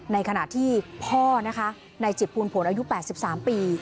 ในขณะที่พ่อนะคะในจิตปูนผลอายุ๘๓ปี